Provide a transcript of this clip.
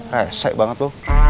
resek banget lu